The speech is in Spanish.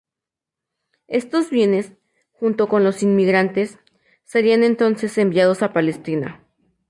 Estos bienes, junto con los inmigrantes, serían entonces enviados a Palestina.